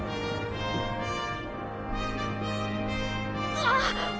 あっ！